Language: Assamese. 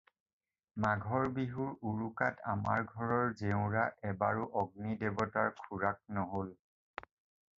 মাঘৰ বিহুৰ উৰুকাত আমাৰ ঘৰৰ জেউৰা এবাৰো অগ্নি দেৱতাৰ খোৰাক নহ'ল।